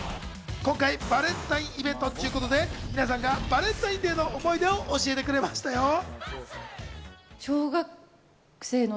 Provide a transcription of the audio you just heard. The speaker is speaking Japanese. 今回、バレンタインイベントということで皆さんがバレンタインデーの思い出を教えてくれましたよ。